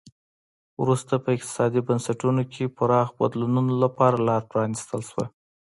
وروسته په اقتصادي بنسټونو کې پراخو بدلونونو لپاره لار پرانیستل شوه.